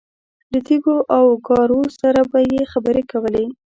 له تیږو او ګارو سره به یې خبرې کولې.